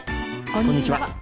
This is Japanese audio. こんにちは。